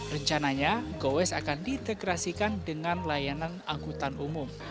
rencananya gowes akan diintegrasikan dengan layanan angkutan umum